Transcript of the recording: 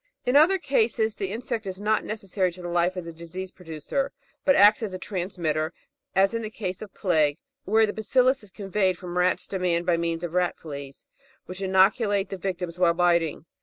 In other cases, the insect is not necessary to the life of the disease producer, but acts as a transmitter, as in the case of plague, where the bacillus is conveyed from rats to man by means of ratfleas, which inoculate the victims while biting.